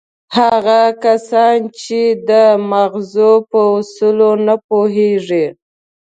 هغه کسان چې د ماغزو په اصولو نه پوهېږي.